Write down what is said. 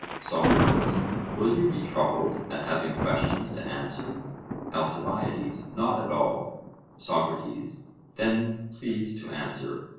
SOCRATES: Will you be troubled at having questions to answer? ALCIBIADES: Not at all. SOCRATES: Then please to answer.